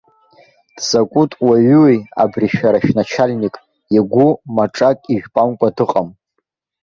Дзакәытә уаҩуи абри шәара шәначальник, игәы маҿак ижәпамкәа дыҟам?